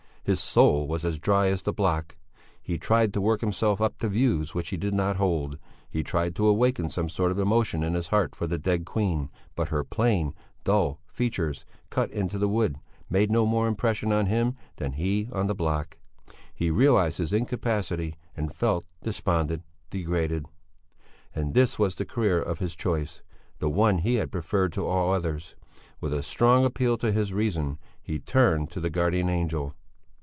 His soul was as dry as the block. He tried to work himself up to views which he did not hold; he tried to awaken some sort of emotion in his heart for the dead queen, but her plain, dull features, cut into the wood, made no more impression on him than he on the block. He realized his incapacity and felt despondent, degraded. And this was the career of his choice, the one he had preferred to all others. With a strong appeal to his reason, he turned to the guardian angel.